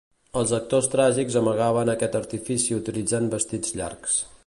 Els actors tràgics amagaven aquest artifici utilitzant vestits llargs.